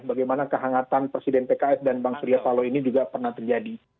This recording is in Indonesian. bagaimana kehangatan presiden pks dan bang surya paloh ini juga pernah terjadi